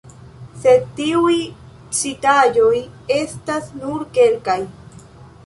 Sed tiuj citaĵoj estas nur kelkaj.